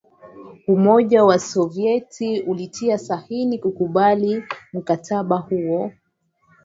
umoja wa kisovyeti ulitia saini kukubali mkataba huo